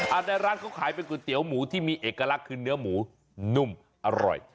ในร้านเขาขายเป็นก๋วยเตี๋ยวหมูที่มีเอกลักษณ์คือเนื้อหมูนุ่มอร่อย